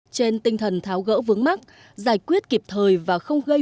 trên tinh thần tháo gỡ vướng mắt giải quyết kịp thời